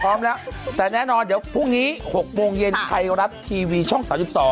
พร้อมแล้วแต่แน่นอนเดี๋ยวพรุ่งนี้๖โมงเย็นไทยรัฐทีวีช่อง๓๒